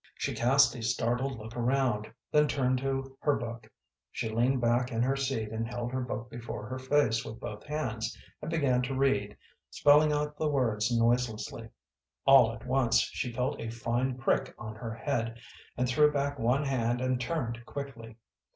She cast a startled look around, then turned to her book. She leaned back in her seat and held her book before her face with both hands, and began to read, spelling out the words noiselessly. All at once, she felt a fine prick on her head, and threw back one hand and turned quickly.